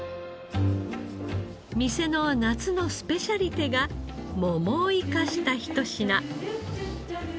店の夏のスペシャリテが桃を生かしたひと品。